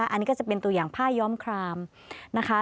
อันนี้ก็จะเป็นตัวอย่างผ้าย้อมครามนะคะ